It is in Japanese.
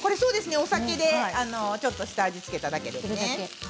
お酒で下味を付けただけですね。